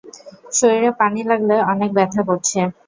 শরীরে পানি লাগলে অনেক ব্যথা করছে।